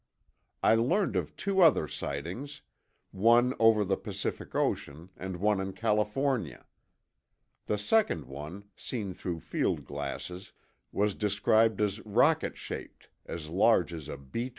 I learned of two other sightings, one over the Pacific Ocean and one in California. The second one, seen through field glasses, was described as rocket shaped, as large as a B 29.